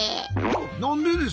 何でです？